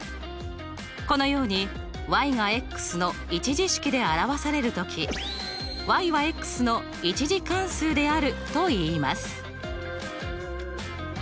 このようにがの１次式で表される時はの１次関数であるといいます。